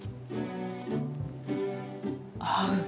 合う。